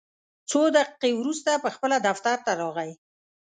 څو دقیقې وروسته پخپله دفتر ته راغی.